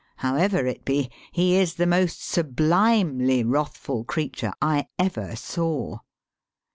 However it be, he is the most sublimely wrathful creature I ever saw.